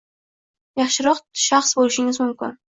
Yaxshiroq shaxs bo’lishingiz mumkin.